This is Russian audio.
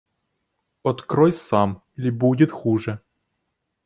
Открой сам, или будет хуже!